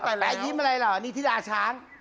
ตายแล้วยิ้มอะไรเหรอนี่ธิราช้าง